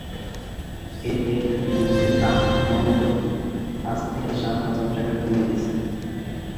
এতে ইলিশের দাম মণপ্রতি পাঁচ থেকে সাত হাজার টাকা কমে গেছে।